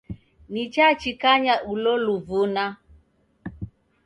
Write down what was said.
Nichachikanya ulo luvuna